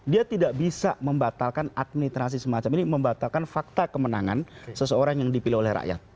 dia tidak bisa membatalkan administrasi semacam ini membatalkan fakta kemenangan seseorang yang dipilih oleh rakyat